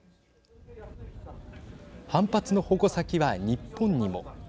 反発の矛先は日本にも。